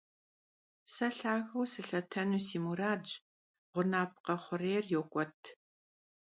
Se lhageu sılhetenu si muradş — ğunapkhe xhurêyr yok'uet.